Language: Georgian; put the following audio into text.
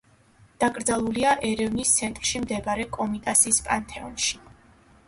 დაკრძალულია ერევნის ცენტრში მდებარე კომიტასის პანთეონში.